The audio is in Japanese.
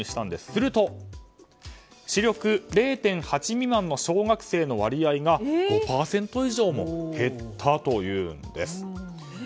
すると、視力０．８未満の小学生の割合が５％以上も減ったというんです。